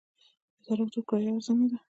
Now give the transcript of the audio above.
د تراکتورونو کرایه ارزانه ده